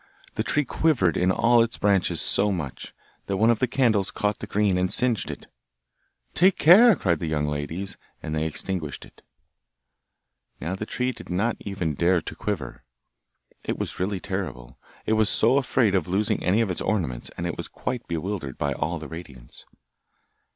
The tree quivered in all its branches so much, that one of the candles caught the green, and singed it. 'Take care!' cried the young ladies, and they extinguished it. Now the tree did not even dare to quiver. It was really terrible! It was so afraid of losing any of its ornaments, and it was quite bewildered by all the radiance.